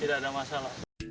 tidak ada masalah